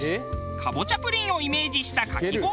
カボチャプリンをイメージしたかき氷。